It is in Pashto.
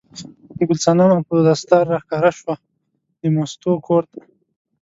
ګل صنمه په دستار راښکاره شوه د مستو کور ته.